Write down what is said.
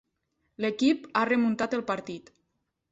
L'equip ha remuntat el partit.